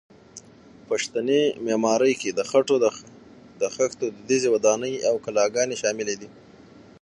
پښتني معمارۍ کې د خټو د خښتو دودیزې ودانۍ او کلاګانې شاملې دي.